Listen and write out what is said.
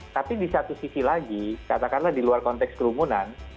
tapi di satu sisi lagi katakanlah di luar konteks kerumunan